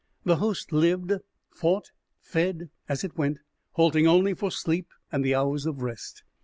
The host lived, fought, fed, as it went, halting only for sleep and the hours of rest.